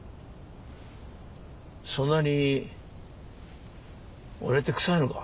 そんなに俺って臭いのか？